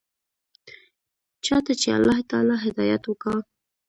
چا ته چې الله تعالى هدايت وکا.